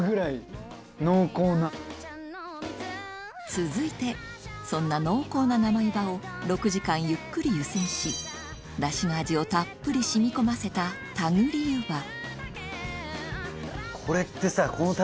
続いてそんな濃厚な生ゆばを６時間ゆっくり湯煎しダシの味をたっぷり染み込ませたこれってさ。